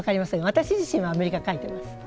私自身はアメリカ描いてます。